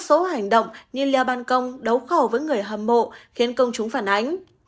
số hành động như leo bàn công đấu khẩu với người hâm mộ khiến công chúng phản ánh